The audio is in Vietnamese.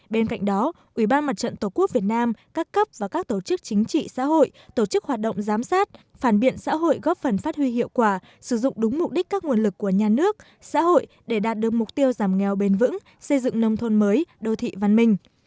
bên cạnh đó ủy ban mặt trận tổ quốc việt nam các cấp và các tổ chức chính trị xã hội tổ chức hoạt động giám sát phản biện xã hội góp phần phát huy hiệu quả sử dụng đúng mục đích các nguồn lực của nhà nước xã hội để đạt được mục tiêu giảm nghèo bền vững xây dựng nông thôn mới đô thị văn minh